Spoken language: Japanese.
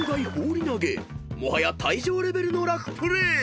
［もはや退場レベルのラフプレー］